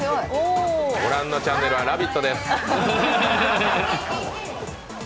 御覧のチャンネルは「ラヴィット！」です。